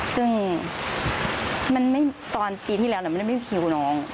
ซึ่งตอนปีที่แล้วมันไม่มีคิวน้อง